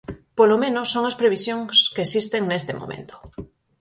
Polo menos son as previsións que existen neste momento.